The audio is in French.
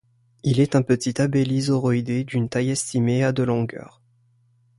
Il est un petit abélisauroïdé d'une taille estimée à de longueur.